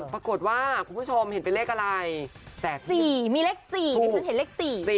ปรากฏว่าคุณผู้ชมเห็นเป็นเลขอะไรแตก๔มีเลข๔ดีกว่าฉันเห็นเลข๔